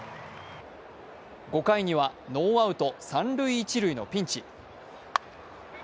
５回にはノーアウト三・一塁のピンチ。